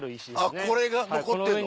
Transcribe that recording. あっこれが残ってるの。